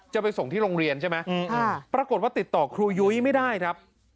จะไปส่งที่โรงเรียนใช่ไหมปรากฏว่าติดต่อครูยุ้ยไม่ได้ครับ